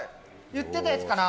言ってたやつかな。